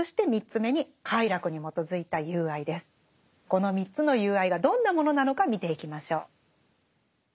この３つの友愛がどんなものなのか見ていきましょう。